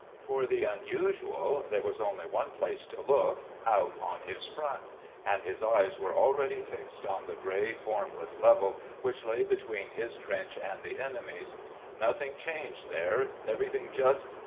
For the unusual there was only one place to look, out on his front, and his eyes were already fixed on the grey, formless level which lay between his trench and the enemy's. Nothing changed there, everything just....